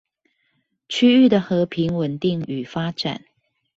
區域的和平穩定與發展